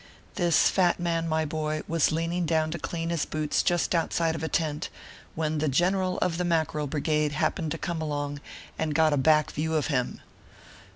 This fat man, my ORPHEUS C. KERR PAPERS. 125 boy, was leaning down to clean his boots just outside of a tent, when the General of the Mackerel Brigade happened to come along, and got a back view of him.